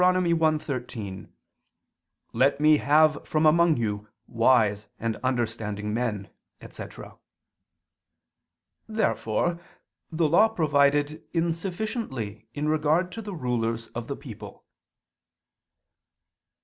1:13): "Let Me have from among you wise and understanding men," etc. Therefore the Law provided insufficiently in regard to the rulers of the people.